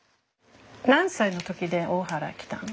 何歳の時で大原来たの？